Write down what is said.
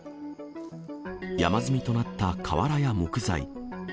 山積みとなった瓦や木材。